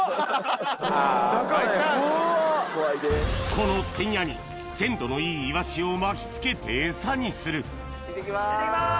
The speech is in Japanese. このテンヤに鮮度のいいイワシを巻きつけて餌にするいってきます！